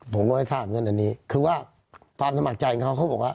ผมก็ไม่ทราบเงินอันนี้คือว่าความสมัครใจของเขาเขาบอกว่า